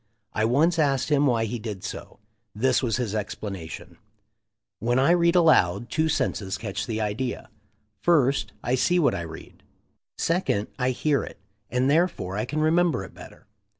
I once asked him why he did so. This was his explanation : "When I read aloud two senses catch the idea : first, I see what I read ; second, I hear it, and therefore I can remem ber it better."